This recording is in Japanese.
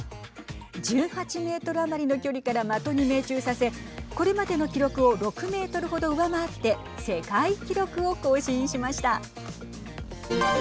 １８メートル余りの距離から的に命中させこれまでの記録を６メートル程上回って世界記録を更新しました。